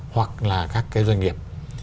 hoặc là các cái doanh nghiệp